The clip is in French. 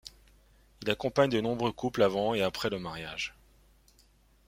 Il accompagne de nombreux couples avant et après le mariage.